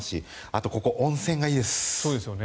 あと、温泉がいいです。